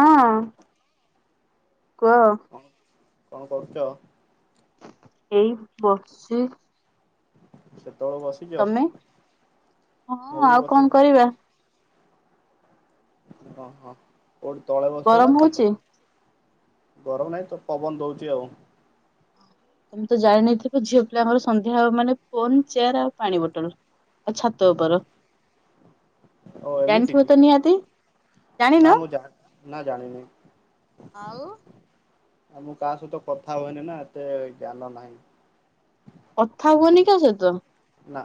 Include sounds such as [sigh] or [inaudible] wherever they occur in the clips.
ହଁ କୁହ। କଣ କଣ କରୁଚ? ଏଇ ବସଚି ସେତବେଳେ ବସ ତମେ ହଁ ବି ଆଉ କଣ ବସିଛି କରିବା। ଅଁ ହଁ କୋଉଠି ତଳେ ବସିଛ ନା ଗରମ ଛାତ। ହଉଛି। ଗରମ ନାହିଁ ତ ପବନ ଦଉଚି ଆଉ। ତମେ ତ ଜାଣିନଥିବ ଝିଅ ପିଲାଙ୍କର ସନ୍ଧ୍ୟା ହବ ମାନେ ଫୋନ ଚେୟାର ଆଉ ପାଣି ବୋଟଲ। ଆଉ ଛାତ ଉପର। ଓ ଏମିତି ଜଣିଥିବ କି? ତ ନିହାତି। ନା ଜାଣିିନ? ମୁଁ ଜା ନା ଜାଣିନି ଆଉ। ଆଉ ମୁଁ କାହା ସହିତ କଥା ହୁଏନି ନା ଏତେ ଜ୍ଞାନ ନାହିଁ। କଥା ହୁଅନି କା ସହିତ। ନା।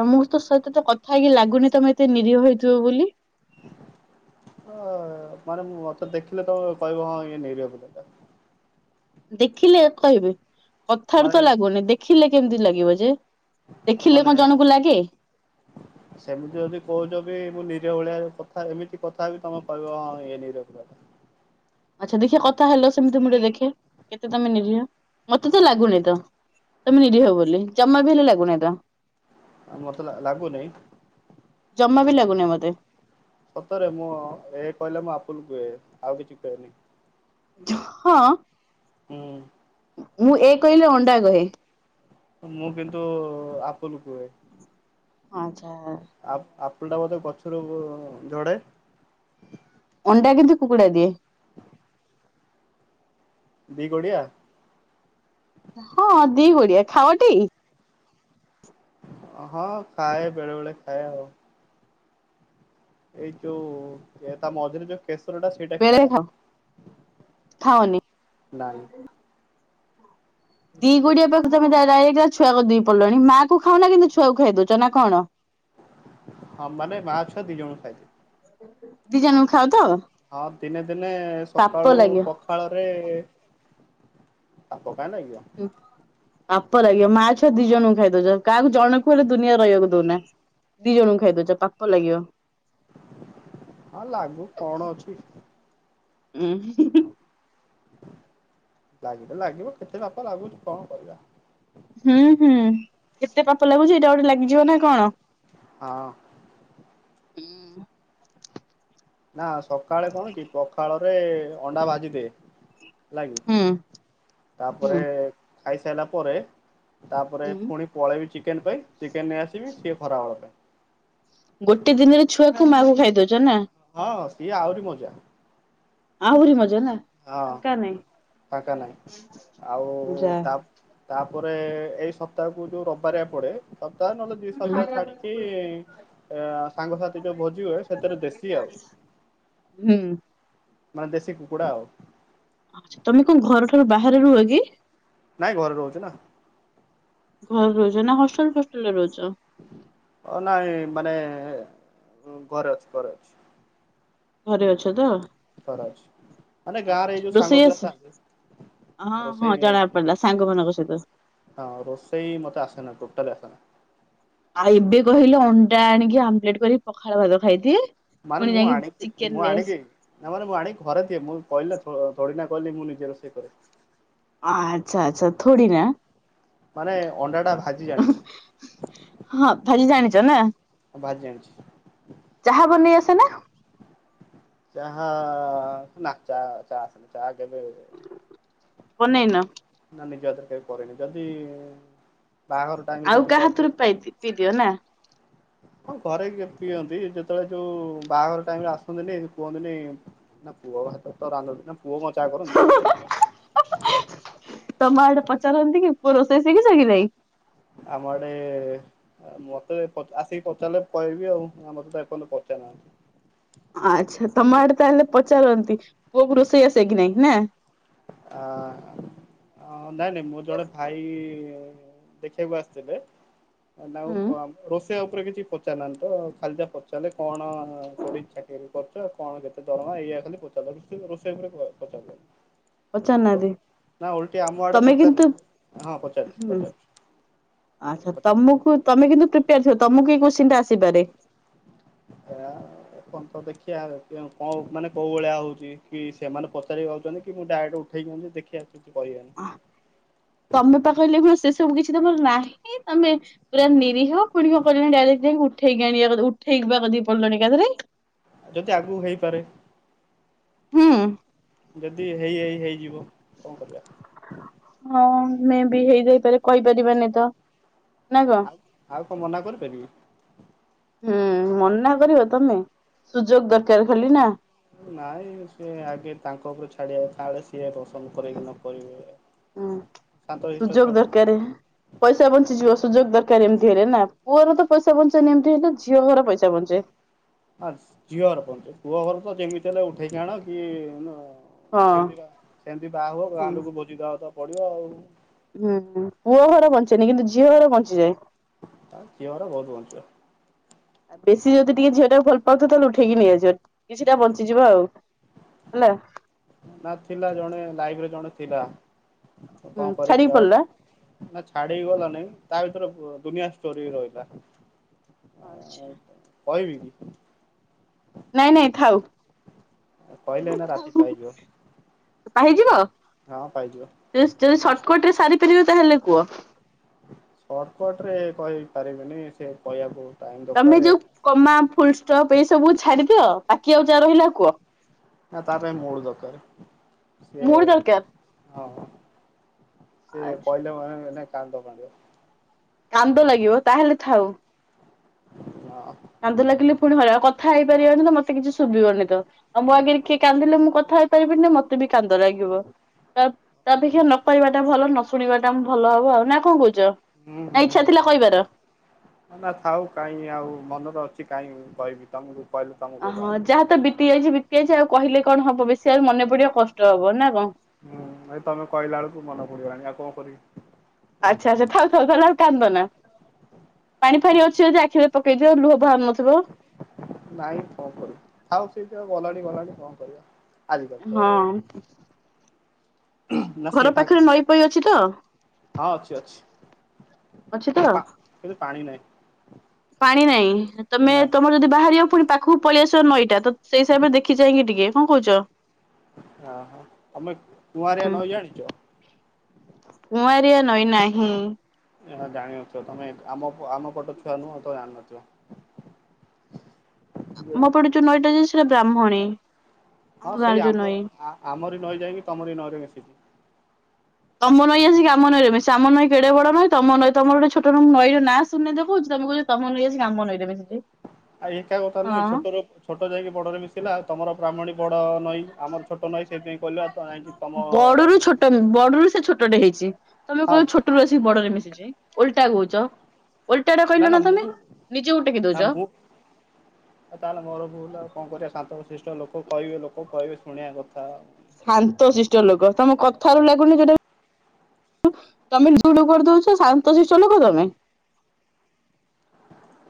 ତମୁକୁ ତ ସହିତ ତ କଥା ହେଇକି ଲାଗୁନି ତମେ ଏତେ ନିରୀହ ହୋଇଥିବ ବୋଲି। ଅ ମାନେ ମତେ ଦେଖିଲେ ତମେ କହିବ ହଁ ଇଏ ନିରୀହ ପିଲାଟା। ଦେଖିଲେ କହିବି କଥାରୁ ମାନେ ତ ଲାଗୁନି ଦେଖିଲେ କେମିତି ଲାଗିବ ଯେ। ଆଉ ମାନେ। ହ [inaudible] ସେମିତି ଯଦି କହୁଛ ବି ମୁଁ ନିରୀହ ଭଳିଆ ଏବେ କଥା ଏମିତି କଥା ହେବି ତମେ କହିବ ହଁ ଇଏ ନିରିହ ପିଲାଟା। ଆଚ୍ଛା ଦେଖିବା କଥା ହେଲ ସେମତି ମୁଁ ଟିକେ ଦେଖେ କେତେ ତମେ ନିରୀହ। ମତେ ତ ଲାଗୁନି ତ ତମେ ନିିରୀହ ବୋଲି ଜମା ବି ହେଲେ ଲାଗୁନାଇ ତ। ମତେ ଲାଗୁନି ଜମା ବି ଲାଗୁନି ମତେ। ସତରେ ମୁଁ ଅଁ ଏ କହିଲେ ମୁଁ ଆପୁଲୁ କୁହେ ଆଉ କିଛି କୁହେନି। ଝ୍ ହଁ। ହୁଁ। ମୁଁ ଏ କହିଲେ ଅଣ୍ଡା କହେ। ମୁଁ କିନ୍ତୁଉ ଆପୁଲ କୁହେ। ଆଚ୍ଛା। ଆପ ଆପୁଲ ଟା ବୋଧେ ଗଛରୁ ଝଡ଼େ। ଅଣ୍ଡା କିନ୍ତୁ କୁକୁଡ଼ା ଦିଏ। ଦି ଗୋଡିଆ। ହଁ ଦି ଗୋଡିଆ ଖାଅଟି? ହଁ ଖାଏ ବେଳେ ବେଳେ ଖାଏ ଆଉ। ଏଇ ଯୋଉ ଏ ତା ମଝିରେ ଯୋଉ। କେଶର ଟା ସେଇଟା ବେଳେ ଖାଅ ଖାଏନା ଖାଅନି ନାଇଁ। ଦି ଗୋଡିଆ ପାଖରୁ ତମେ ତ ଡାଇରେକ୍ଟ ତା ଛୁଆ କତିକି ପଳେଇଲଣି ମା କୁ ଖାଅନା କିନ୍ତୁ ଛୁଆକୁ ଖାଇ ଦଉଛ ନା କଣ। ହଁ ମାନେ ମା ଛୁଅ ଦି ଜଣଙ୍କୁ ଖାଇଦିଏ। ଦି ଜଣଙ୍କୁ ଖାଅ ତ? ହଁ ଦିନେ ଦିନେ ପାପ ସକାଳୁ ଲାଗିବ ପଖ ଖାଳରେ ପାପ କାଇଁ ଲାଗିବ। ଉଁ ପାପ ଲାଗିବ ମା ଛୁଆ ଦି ଜଣଙ୍କୁ ଖାଇ ଦଉଛ କାହାକୁ ଜଣ କୁ ହେଲେ ଦୁନିଆରେ ରହିବାକୁ ଦଉନା। ଦି ଜଣଙ୍କୁ ଖାଇଦଉଛ ପାପ ଲାଗିବ। ହଁ ଲାଗୁ କଣ ଅଛି। ଉଁ ହୁଁ ହୁଁ। ଲାଗିଲେ ଲାଗିବ କେତେ ପାପ ଲାଗୁଛି କଣ କରିବା। ହୁଁ ହୁଁ କେତେ ପାପ ଲାଗୁଛି ଏଇଟା ଗୋଟେ ଲାଗିଯିବ ନା କଣ? ହଁ। ନା ସକାଳେ କଣ କି ପଖାଳରେ ଅଣ୍ଡା ଭାଜି ଦେ। ହଲାକି ହୁଁ ହୁଁ ତାପରେ ଖାଇସାଇଲା ପରେ ତାପରେ ହୁଁ ପୁଣି ପଳେଇବି ଚିକେନ ପାଇଁ ଚିକେନ ନେଇ ଆସିବି ସିଏ ଖରାବେଳ ପାଇଁ। ଗୋଟେ ଦିନରେ ଛୁଆକୁ ମାଆ କୁ ଖାଇ ଦଉଛ ନା। ହଁ ସିଏ ଆହୁରି ମଜା। ଆହୁରି ମଜା ନା। ହଁ ଫାଙ୍କା ନାଇଁ ଫାଙ୍କା ନାହିଁ ଆଉ ଯା ତା ତାପରେ ଏଇ ସପ୍ତାହକୁ ଯୋଉ ରବିବାରିଆ ପଡେ ସପ୍ତାହ ନହେଲେ ଦି ହୁଁ ସପ୍ତାହ ଛାଡିକି ଅ ସାଙ୍ଗସାଥି ଯୋଉ ଭୋଜି ହୁଏ ସେଥିରେ ଦେଶୀ ଆଉ। ହୁଁ ମାନେ ଦେଶୀ କୁକୁଡ଼ା ଆଉ‌। ତମେ କଣ ଘର ଠାରୁ ବାହାରେ ରୁହ କି? ନାଇଁ ଘରେ ରହୁଚି ନା। ଘରେ ରହୁଚ ନା ହଷ୍ଟେଲ ଫଷ୍ଟେଲରେ ରହୁଚ? ଅ ନାଇଁ ମାନେ ଘରେ ଅଛି ଘରେ ଅଛି। ଘରେ ଅଛ ତ ଥର ଅଛି ମାନେ ଗାଁରେ ଏଇ ଯୋଉ ସାଙ୍ଗ ରୋଷେଇ ପିଲା ଆସେ? ଥାଆନ୍ତି ହଁ ହଁ ରୋଷେଇ ଜଣା ପଡିଲା ସାଙ୍ଗ ମାନଙ୍କ ସହିତ ଅ ରୋଷେଇ ମୋତେ ଆସେନା ଟୋଟାଲି ଆସେନା। ଆଉ ଏବେ କହିଲେ ଅଣ୍ଡା ଆଣିକି ଆମ୍ବଲେଟ୍ କରିକି ପଖାଳ ଭାତ ଖାଇଦିଏ। ମାନେ ପୁଣି ମୁଁ ଯାଇକି ଆଣିକି ଚିକେନ ମୁଁ ନେଇ ଆସେ ଆଣିକି ନା ମାନେ ମୁଁ ଆଣିିକି ଘରେ ଦିଏ ମୁଁ କହିଲି ନା ଥୋଡିନା କହିଲି ମୁଁ ନିଜେ ରୋଷେଇ କରେ। ଆଚ୍ଛା ଆଚ୍ଛା ଥୋଡ଼ି ନା ମାନେ ଅଣ୍ଡା ଟା ଭାଜି ଜାଣିଛି। ହଁ ଭାଲି ଜାଣିଛ ନା? ହଁ ଭାଜି ଜାଣିଛି। ଚାହା ବନେଇ ଆସେ ନା? ଚାହା ନା ଚା ଚା ଚା ଆସେନି ଚା କେବେ ବନେଇନ ନା ନିଜ ହାତରେ କେବେ କରେନି ଯଦି ବାହାଘର ଟାଇମରେ ଆଉ ଯଦି କାହା କହିବେ ହାତରୁ ପାଇ ପିଇ ଦିଅ ନା। ହଁ ଘରେ ପିଅନ୍ତି ଯେତେବେଳେ ଯୋଉ ବାହାଘର ଟାଇମ୍ ରେ ଆସନ୍ତିନି କୁହନ୍ତିନି ନା ପୁଅ ହାତରୁ ତ ରାନ୍ଧନ୍ତିନା ପୁଅ କଣ ଚା କରନ୍ତି। ଏ ଝିଅ ହା ହା ତମ ଆଡେ ପଚାରନ୍ତି କି ପୁଅ ରୋଷେଇ ଶିଖିଛ କି ନାଇଁ? ଆମ ଆଡେ ଆ ମତେ ପ ଆସିକି ପଚାରିଲେ କହିବି ଆଉ ଆ ମତେ ତ ଏପନ୍ତ ପଚାରି ନାହାନ୍ତି। ଆଛା ତମ ଆଡେ ତାହେଲେ ପଚାରନ୍ତି ପୁଅକୁ ରୋଷେଇଆସେ କିି ନାହିଁ ନା? ଆ ଆଁ ନାଇଁ ନାଇଁ ମୁଁ ଜଣେ ଭାଇ ଦେଖିବାକୁ ଆସିଥିଲେ ନା ହୁଁ ପମ୍ ରୋଷେଇ ଉପରେ କିଛି ପଚାରି ନାହାନ୍ତି ତ ଖାଲି ଯା ପଚାରିଲେ କଣ ପଡି ଚାକିରି କରୁଚ କଣ କେତେ ଦରମା ଏଇଆ ଖାଲି ପଚାରିଲେ ରୋଷେଇ ଉପରେ ପ ପଚାରିଲେନି। ପଚାରୁନାହାନ୍ତି ନା ଓଲଟି ଆମ ଆଡ଼ୁ ତମେ କିନ୍ତୁ ହୁଁ ପଚାରିଲୁ। ଆଚ୍ଛା ତମକୁ ତମେ କିନ୍ତୁ ପ୍ରିପେୟାର ଥିବ ତମକୁ ଏଇ କୋସ୍ଚିନ ଆସିପାରେ। ଯା ଏପନ୍ତ ଦେଖିଆ କେ କଁ କଣ ମାନେ କୋଉ ଭଳିଆ ହୋଉଛି କି ସେମାନେ ପଚାରି ଭାବୁଚନ୍ତି କି ମୁଁ ଡାଇରେକ୍ଟ ଉତ୍ତ ଉଠେଇ ଦିଅନ୍ତୁ ଦେଖିଆ କିଛି କହିବାନି। ତମେ ପା କହିଲ ଏଖୁ ସେ ସବୁ କିଛି ତମର ନାହିଁ ଇଁ ତମେ ପୁରା ନିରୀହ ପୁଣି କ କହିଲଣି ଡାଇରେକ୍ଟ ଯା ଉଠେଇକି ଆଣିବା କଦ ଉଠେଇକିବାକଦି ପଡିଲଣି ଆ ଥରେ। ଯଦି ଆଗକୁ ହେଇପାରେ। ହୁଁ। ଯଦି ହେଇ ହେଇ ହେଇଯିବ କଣ କରିବା? ହଁ ମେ ବି ହେଇଯାଇପାରେ କହିପାରିବାନି ତ। ନା କଣ? ଆ ଆଉ କଣ ମନା କରିପାରିବି। ହୁଁ ମନା କରିବ ତମେ ସୁଯୋଗ ଦରକାର ଖାଲି ନା। ନାଇଁ ସେ ଆଗେ ତାଙ୍କ ଉପରୁ ଛାଡେ ତା ବେଳେ ସିଏ ପସନ୍ଦ କରିବେ କି ହୁଁ ନ କରିବେ ହୁଁ ଶାନ୍ତଶିଷ୍ଟ ସୁଯୋଗ ଛୁଆଟା ନା। ଦରକାର। ପଇସା ବଞ୍ଚିଯିବ ସୁଯୋଗ ଦରକାର ଏମିତି ହେଲେ ନା, ପୁଅର ତ ପଇସା ବଞ୍ଚେନି ଏମିତି ହେଲେ, ଝିଅ ଘର ପଇସା ବଞ୍ଚେ। ହାସ୍ ଝିଅ ଘର ପଞ୍ଚେ, ପୁଅ ଘର ତ ଯେମିତି ହେଲେ ଉଠେଇକି ଆଣ କି ନା ହଁ ସେମିତି ବା ସେମିତି ବାହା ହବ, ଗାଁ ଲୋକକୁ ଭୋଜି ଦବାକୁ ତ ପଡିବ ଆଉ। ହୁଁ ହୁଁ, ପୁଅ ଘର ବଞ୍ଚେନି କିନ୍ତୁ ଝିଅ ଘର ବଞ୍ଚିଯାଏ। ଆ ଝିଅ ଘର ବହୁତ ବଞ୍ଚିବ। ଆ ବେଶୀ ଯଦି ଟିକେ ଝିଅ ଟାକୁ ଭଲ ପାଉଥିବ, ତାହେଲେ ଉଠେଇକି ନେଇଆସିବ, କିଛିଟା ବଞ୍ଚିଯିବ ଆଉ। ହେଲା। ନା ଥିଲା ଜଣେ ଲାଇଫରେ ଜଣେ ଥିଲା ହୁଁ କଣ ଛାଡିକି କରିବି ଆଉ। ପଳେଇଲା। ନା ଛାଡିକି ଗଲା ନାଇଁ, ତା ଭିତରେ ବ ଦୁନିଆ ଷ୍ଟୋରୀ ରହିଲା। ଆଚ୍ଛା। କହିବି କି? ନାଇଁ ନାଇଁ ଥାଉ। କହିଲେ ଏନା ରାତି ପାହିଯିବ। ପାହିଯିବ? ହଁ ପାଇଯିବ। ଜ ଜ ସର୍ଟକଟ ରେ ସାରି ପାରିବ, ତାହେଲେ କୁହ। ସର୍ଟକଟ ରେ କହି ପାରିବିନି, ସେ କହିବାକୁ ଟାଇମ୍ ତମେ ଦରକାର। ଯୋଉ କମା, ଫୁଲ ଷ୍ଟପ୍ ଏଇ ସବୁ ଛାଡିଦିଅ ବାକି ଆଉ ଯାହା ରହିଲା କୁହ। ନା ତା ପାଇଁ ମୁଡ୍ ଦରକାର ସିଏ ମୋର ଦରକାର। ହଁ। ସେ ଆଚ୍ଛା। କଇଲେ ଅ ଆ ଏନା କାନ୍ଦ ମାଡ଼ିବ। କାନ୍ଦ ଲାଗିବ? ତାହେଲେ ଥାଉ। ହଁ। କାନ୍ଦ ଲାଗିଲେ ପୁଣି ହଇରା, କଥା ହେଇପାରିବାନି ତ ମତେ କିଛି ଶୁଭିବନି ତ। ଆଉ ମୋ ଆଗରେ କିଏ କାନ୍ଦିଲେ ମୁଁ କଥା ହେଇପାରିବିନି, ମତେ ବି କାନ୍ଦ ଲାଗିବ। ତା ତା ଅପେକ୍ଷା ନକହିବାଟା ଭଲ, ନ ଶୁଣିବା ଟା ଭଲ ହବ ଆ ନା କଣ କହୁଛ? ନା ଇଚ୍ଛା ଥିଲା କହିବାର? ନା ନା ଥାଉ କାଇଁ ଆଉ ମନରେ ଅଛି କାଇଁ କହିବି, ତମକୁ କହିଲୁ ତମକୁ ହଁ ବା ଯାହା ତ ବିତି ଯାଇଛି, ବିତି ଯାଇଛି ଆଉ କହିଲେ କଣ ହବ ବେଶୀ ଆଉ ମନେ ପଡିବ, କଷ୍ଟ ହବ ନା କଣ? ହୁଁ ହେଇ ତମେ କହିଲା ବେଳକୁ ମନେ ପଡିଗଲାଣି, ଆଉ କଣ କରିବି? ଆଚ୍ଛା ଆଚ୍ଛା ଥାଉ ଥାଉ ତାହେଲେ ଆଉ କାନ୍ଦନା। ପାଣି ଫାଣି ଅଛି ଯଦି ଆଖିରେ ପକେଇଦିଅ ଲୁହ ବାହାରୁ ନଥିବ। ନାଇଁ କଣ କରିବି ଥାଉ ସେଇତ ଗଲାଣି ଗଲାଣି କଣ କରିବା। ଆଜିକାଲି ତ ଆଉ ହଁ। ନା ଘର ସିଏ ଫାଙ୍କା ପାଖରେ ନଈ ପଈ ଅଛି ତ? ହଁ ଅଛି ଅଛି, ଅଛି କିନ ତ? ପା ଖରେ ପାଣି ନାହିଁ। ପାଣି ନାଇଁ, ତୋମେ ନା। ତୋମର ଯଦି ବାହାରିବ, ପୁଣି ପାଖକୁ ପଳେଇ ଆସିବ ନଈଟା, ତ ସେଇ ହିସାବରେ ଦେଖି ଚାହିଁକି ଟିକେ, କଣ କହୁଚ? ହଁ, ହଁ, ତୋମେ କୁଆଁରିଆ‌ ହୁଁ। ନଈ ଜାଣିଚ? କୁଆଁରିଆ ନଈ ନାହିଁ। ଏହା ଜାଣି ନଥିବ, ତୋମେ ଆମ ଆମ ପଟଛୁଆ ନୁହଁ, ତ ଜାଣି ନଥିବ। ମୋ ପଟେ ଯୋଉ ନଈଟା ଯାଇଛି ସେଇଟା ବ୍ରାହ୍ମଣୀ। ଆମ ହଁ ଗାଁରେ ସେଇ ଯୋଉ ଆମ ନଈ। ଆ, ଆମରି ନଈ ଯାଇକି ତୋମରି ନଈରେ ମିଶିିଚି। ତୋମ ନଈ ଆସି କାମ ନଈ ରେ ମିଶିବ, ଆମ ନଈ କେଡେ ବଡ ନଈ, ତୋମ ନଈ, ତୋମର ଗୋଟେ ଛୋଟର ନଈ ର ନାଁ ଶୁଣିନଥିବ କହୁଚୁ, ତୋମେ କ ତୋମ ନଈ ଆସିକି ଆମ ନଈ ରେ ମିଶିଚି। ଆ, ଏକା କଥା ନୁହେଁ, ଛୋଟର ଛୋଟ ଯାଇକି ବଡ଼ରେ ମିଶିଲା, ଆଉ ତୋମର ବ୍ରାହ୍ମଣୀ ବଡ଼ ନଈ, ଆମର ଛୋଟ ନଈ, ସେଇଥିପାଇଁ କହିଲି [unintelligible] ତମ ବଡରୁ ନଈରେ ଛୋଟ, ବଡରୁ ସେ ଛୋଟଟେ ହେଇଛି। ତୋମେ ହଁ କହି ଛୋଟରୁ ଆସିକି ବଡରେ ମିଶିଛି, ଓଲଟା କହୁଚ। ଓଲଟାଟା କହିଲ ନା ତୋମେ, ନିଜକୁ ଟେକି ଦଉଚ। ଆଉ ତାହେଲେ ମୋର ଭୁଲ ଆଉ କଣ କରିବା ଶାନ୍ତଶିଷ୍ଟ ଲୋକ କହିବେ ଲୋକ କହିବେ ଶୁଣିବା କଥା। ଶାନ୍ତଶିଷ୍ଟ ଲୋକ ତୋମ କଥାରୁ ଲାଗୁନି ଯୋଉଟା ତୋମେ [inaudible] କରି ଦଉଛ, ଶାନ୍ତ ଶିଷ୍ଟ ଲୋକ ତୋମେ?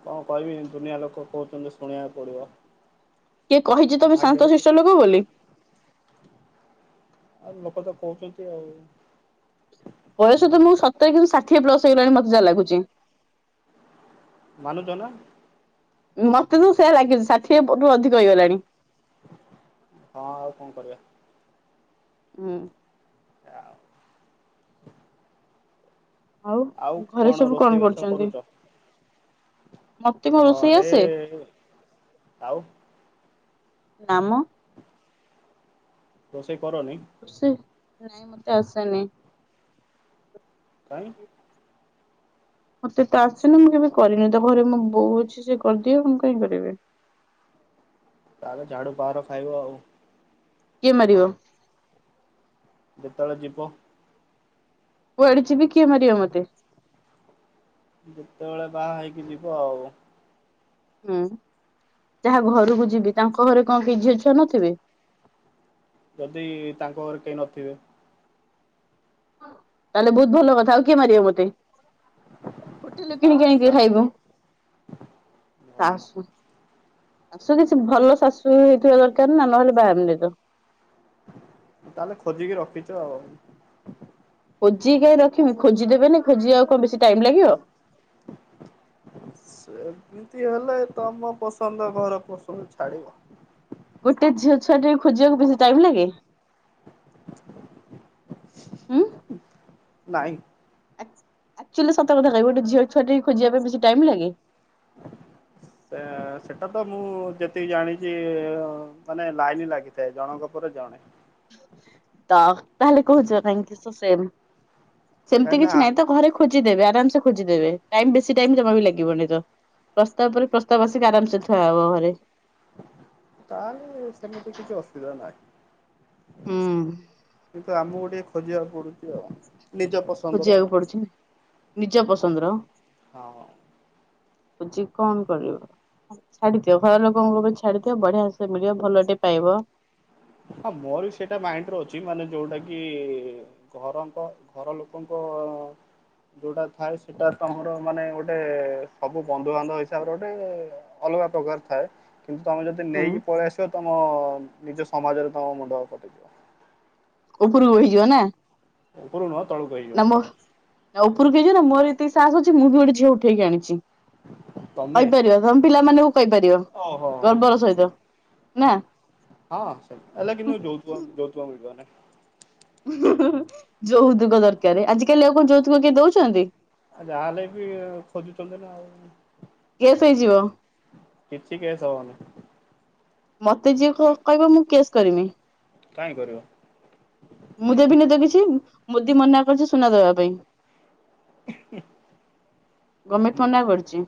କଣ କହିବି ଦୁନିଆ ଲୋକ କହୁଚନ୍ତି ଯେ ଶୁଣିବାକୁ ପଡିବ। କିଏ କହିଚି ତୋମେ ଭାଗ୍ୟରେ ଶାନ୍ତଶିଷ୍ଟ ଲୋକ ବୋଲି? ଆଉ ଲୋକ ତ କହୁଛନ୍ତି ଆଉ। ବୟସ ତୋମକୁ ଶତେଇଶ ରୁ ଷାଠିଏ ପ୍ଲସ୍ ହେଇଗଲାଣି ମୋତେ ଯାହା ଲାଗୁଚି। ମାନୁଚ ନା? ମୋତେ ତ ସେୟା ଲାଗିଚି ଷାଠିଏ ପ-ରୁ ଅଧିକ ହେଇଗଲାଣି। ହଁ ଆଉ କଣ କରିବା। ହଁ। ଆ, ଆଉ ଘରେ ସବୁ କଣ ରୋଷେଇବାସ କରୁଚନ୍ତି? କରୁଛ? ମୋତେ କଣ ରୋଷେଇ ଘରେ ଆସେ। ଆଉ ନାମ ରୋଷେଇ କରନି? ଷି ନାଇଁ ମୋତେ ଆସେନି। କାଇଁ? ମୋତେ ତ ଆସେନି ମୁଁ କେବେ କରିନି। ତ ଘରେ ମୁଁ ବୋଉ ଅଛି ସିଏ କରିଦିଅ ମୁଁ କାହିଁକି କରିବି। ତାହେଲେ ଝାଡୁ ପାହାର ଖାଇବ ଆଉ। କିଏ ମାରିବ? ଯେତେଳେ ଯିବ। କୁଆଡେ ଯିବି କିଏ ମାରିବା ମୋତେ? ଯେତେବେଳେ ବାହା ହେଇକି ଯିବ ଆଉ। ହୁଁ, ଯାହା ଘରକୁ ଯିବି ତାଙ୍କ ଘରେ କଣ କିଏ ଝିଅ ଛୁଆ ନଥିବେ? ଯଦି ତାଙ୍କ ଘରେ କେହି ନଥିବେ? ତାହେଲେ ବହୁତ ଭଲ କଥା ଆଉ କିଏ ମାରିବ ମୋତେ? ହୋଟେଲ୍ ରୁ କିଣିକି ଶା ଆଣିକି ଖାଇବୁ। ଓହୋ ଶାଶୁ? ଶାଶୁ ଯେ ସେ ଭଲ ଶାଶୁ ହେଇଥିବା ଦରକାର ନା, ନହେଲେ ବାହା ହେମିନି ତ। ତାହେଲେ ଖୋଜିକି ରଖିଚ। ଖୋଜିକି କାଇଁ ରଖିବି ଖୋଜି ଦେବେନି ଖୋଜିିବାକୁ କଣ ବେଶୀ ଟାଇମ ଲାଗିବ। ସେମିତି ହେଲେ ତମ ପସନ୍ଦ ଘର ପସ ଛାଡ଼ିବ। ଗୋଟେ ଝିଅ ଛୁଆଟେ ଖୋଜିବାକୁ ବେଶି ଟାଇମ୍ ଲାଗେ। ନାହିଁ। ଆକ୍ ଆକଚୁଆଲି ସତ କଥା କହିବ ଗୋଟେ ଝିଅ ଛୁଆ ଟେ ଖୋଜିବା ପାଇଁ ବେସି ଟାଇମ ଲାଗେ। ତ ସେଟା ତ ମୁଁ ଯେତିକି ଜାଣିଛି ମାନେ ଲାଇନ ଲାଗି। ଏ ଜଣଙ୍କ ପରେ ଜଣେ। ତ ତାହେଲେ କହୁଛ କାହିଁକି ସ ସେ କାହିଁକି ସେମିତି ନା କିଛି ନାଇଁ ତ ଘରେ ଖୋଜିଦେବେ ଆରାମ ସେ ଖୋଜିଦେବେ ଟାଇମ ବେଶୀ ଟାଇମ ଜମା ବି ଲାଗିବନି ତ। ପ୍ରସ୍ତାବ ପରେ ପ୍ରସ୍ତାବ ଆସିକି ଆରାମସେ ଥୁଆହବ ଘରେ। ତାହେଲେ ସେମିତି କିଛି ଅସୁବିଧା ନାହିଁ। ହୁଁ କିନ୍ତୁ ଆମକୁ ଗୋ ଟିକେ ଖୋଜିବାକୁ ପଡୁଛି ଆଉ ନିଜ ପସ୍ ଖୋଜିବାକୁ ପଡୁଛି ନିଜ ପସନ୍ଦର। ହଁ ହଁ। ବୁଝି କଣ କରିବ? ଛାଡିଦିଅ ଘର ଲୋକଙ୍କୁ ବି ଛାଡିଦିଅ ବଢିଆ ସେ ମିଳିବ ଭଲ ଟେ ପାଇବ। ହଁ ମୋର ବି ସେଇଟା ମାଇଣ୍ଡରେ ଅଛି ମାନେ ଯୋଉଟା କି ଘରଙ୍କ ଘର ଲୋକଙ୍କ ଯଉଟା ଥାଏ ସେଟା ତମର ମାନେ ଗୋଟେ ସବୁ ବନ୍ଧୁବାନ୍ଧବ ହିସାବରେ ଗୋଟେ ଅଲଗା ପ୍ରକାର୍ ଥାଏ। କିନ୍ତୁ ତମେ ଯଦି ହୁଁ ନେଇକି ପଳେଇ ଆସିବ ତମ ନିଜ ସମାଜରେ ତମ ମୁଣ୍ଡ କଟିଯିଵ। ଉପରୁକୁ ହେଇଯିବ ନା। ଉପରୁକୁ ନୁହଁ ତଳୁକୁ ହେଇଯିବ। ଆଉ ଉପରକୁ ହେଇଯିବ ନା ମୋର ଏତିକି ସାହସ ଅଛି ମୁଁ ବି ଗୋଟେ ଝିଅ ଉଠେଇକି ଆଣିଚି। ତମେ କହିପାରିବ ତମ ପିଲାମାନଙ୍କୁ କହିପାରିବ ଓହୋ ହୋ ଗର୍ବର ସହିତ। ନା। ହଁ ସେ ହେଲେ କିନ୍ତୁ ଯୌତୁକ ଯୌତୁକ ମିଳିବନି। ହୁଁ ହୁଁ ହୁଁ ଯୌତୁକ ଦରକାରେ ଆଜିକାଲି ଆଉ କଣ ଯୌତୁକ କିଏ ଦଉଚନ୍ତି। ଆ ଯାହେଲେ ବି ଖୋଜୁଚନ୍ତି ନା ଆଉ। କେସ୍ ହେଇଯିବ। କିିଛି କେସ୍ ହବନି। ମତେ ଯିଏ କ କହିବ ମୁଁ କେସ୍ କରିମି। କାଇଁ କରିବ? ମୁଁ ଦେବିନି ତ କିଛି ଉଁ ମୋଦି ମନା କରିଚି ସୁନା ଦବା ପାଇଁ। ଗମେଣ୍ଟ୍ ମନା କରିଚି।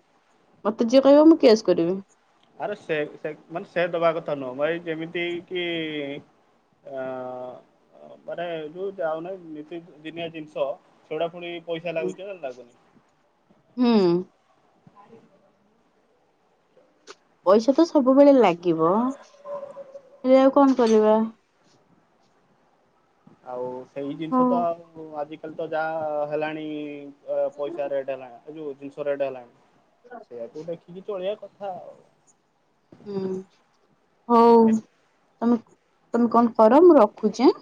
ମତେ ଯିଏ କହିବ ମୁଁ କେସ୍ କରିବି। ଆରେ ସେ ସେ ମାନେ ସେ ଦବା କଥା ନୁହଁ ଭାଇ ଯେମିତି କି ଆ ମାନେ ଯଉ ଯାଉନାଇ ନିତିଦିନିଆ ଜିନିଷ ସେଗୁଡା ପୁଣି ପଇସା ଲାଗୁଚି ନା ଲାଗୁନି? ହୁଁ। [inaudible] ପଇସା ତ ସବୁବେଳେ ଲାଗିବ ହେଲେ ଆଉ କଣ କରିବା। ଆଉ ସେଇ ହଁ ଜିନିଷ ତ ଆଜିକାଲି ତ ଯାହା ହେଲାଣି ପଇସା ରେଟ୍ ହେଲାଣି ଏ ଯଉ ଜିନିଷ ରେଟ୍ ହେଲାଣି ସେଇଆକୁୁ ଦେଖିକି ଚଲେଇଆ କଥା ଆଉ। ହୁଁ ହଉ ତମେ ତମେ କଣ୍ କର ମୁଁ ରଖୁଚି ଆଁ।